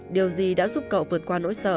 điều gì đã giúp cậu vượt qua nỗi sợ